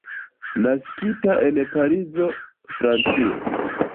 Naskita en Parizo, Francio.